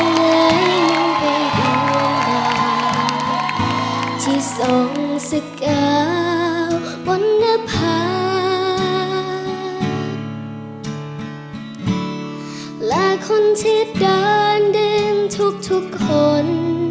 และคนที่เดินดื่มทุกคน